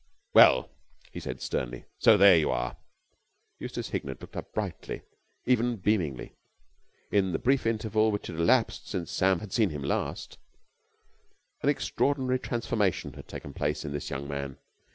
"Well," he said sternly, "so there you are!" Eustace Hignett looked up brightly, even beamingly. In the brief interval which had elapsed since Sam had seen him last, an extraordinary transformation had taken place in this young man.